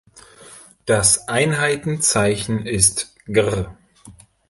Das Einheitenzeichen ist "gr.